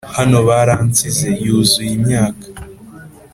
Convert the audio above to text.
hano baransize, yuzuye imyaka, -